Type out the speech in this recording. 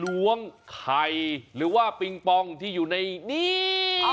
ล้วงไข่หรือว่าปิงปองที่อยู่ในนี้